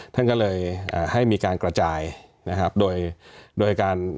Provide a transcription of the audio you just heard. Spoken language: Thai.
ท่านก็เลยให้มีการกระจายนะครับโดยโดยการ